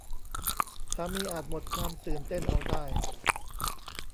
สามีอาจหมดความตื่นเต้นเอาได้